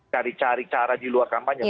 cari cari cara di luar kampanye